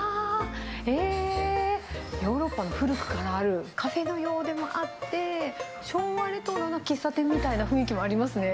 へー、ヨーロッパに古くからあるカフェのようでもあって、昭和レトロな喫茶店みたいな雰囲気もありますね。